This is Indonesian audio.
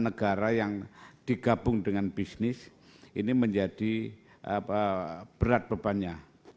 negara yang digabung dengan bisnis ini menjadi berat bebannya